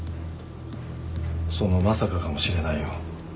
そのまさかかもしれないよ。